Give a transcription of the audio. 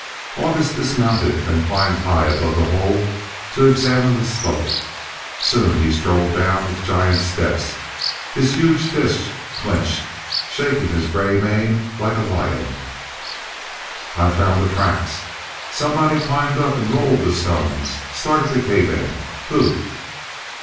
August dismounted and climbed high above the hole to examine the slope; soon he strode down with giant steps, his huge fists clinched, shaking his gray mane like a lion. "I've found the tracks! Somebody climbed up and rolled the stones, started the cave in. Who?"